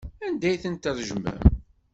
Anda ay tent-tṛejmem?